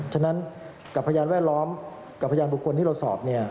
ฉะนั้นกับพยาบาลแวดล้อมกับพยาบุคคลที่เราสอบ